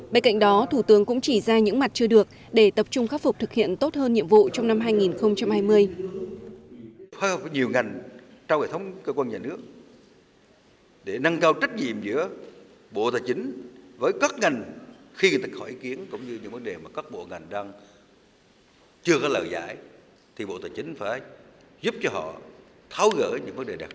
bên cạnh đó thủ tướng cũng chỉ ra những mặt chưa được để tập trung khắc phục thực hiện tốt hơn